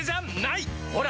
ほら！